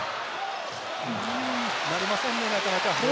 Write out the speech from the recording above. なりませんね、なかなか。